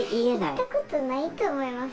言ったことないと思います